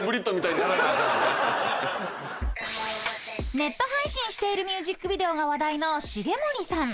［ネット配信しているミュージックビデオが話題の重盛さん］